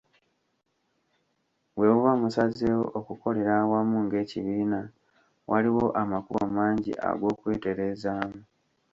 Bwe muba musazeewo okukolera awamu ng’ekibiina, waliwo amakubo mangi ag’okwetereezaamu.